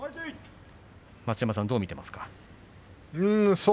待乳山さん、どう見ていますか。